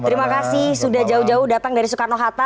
terima kasih sudah jauh jauh datang dari soekarno hatta